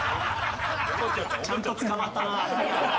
ちゃんと捕まったな。